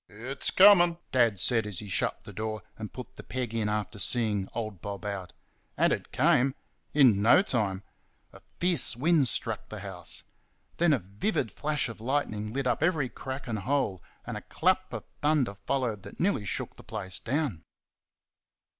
"It's coming!" Dad said, as he shut the door and put the peg in after seeing old Bob out. And it came in no time. A fierce wind struck the house. Then a vivid flash of lightning lit up every crack and hole, and a clap of thunder followed that nearly shook the place down.